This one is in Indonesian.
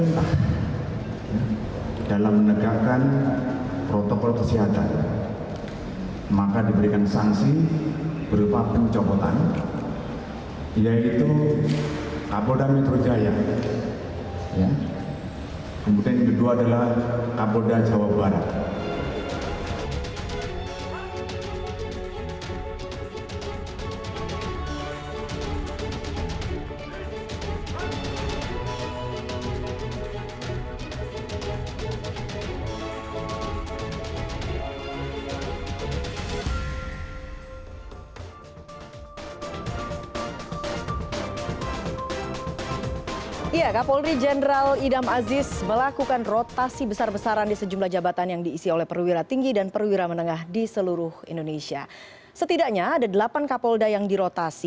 pembatasan sosial tersebut berdasarkan peraturan yang ada